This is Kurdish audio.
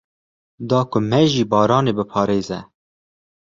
Da ku me ji baranê biparêze.